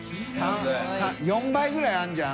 ４倍ぐらいあるじゃん？